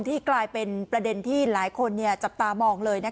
กลายเป็นประเด็นที่หลายคนจับตามองเลย